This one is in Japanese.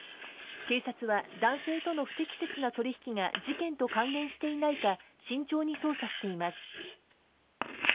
警察は、男性との不適切な取引が事件と関連していないか慎重に捜査しています。